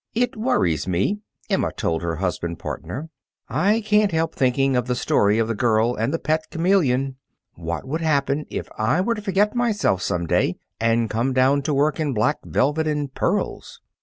"It worries me," Emma told her husband partner. "I can't help thinking of the story of the girl and the pet chameleon. What would happen if I were to forget myself some day and come down to work in black velvet and pearls?"